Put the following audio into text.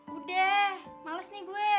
udah males nih gue